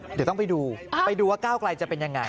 เดี๋ยวต้องไปดูไปดูว่าก้าวไกลจะเป็นยังไง